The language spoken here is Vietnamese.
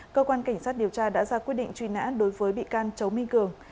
cơ quan cảnh sát điều tra đã ra quyết định truy nã đối với bị can chấu minh cường